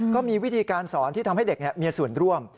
ก็มีวิธีการสอนที่ทำให้เด็กมีส่วนร่วม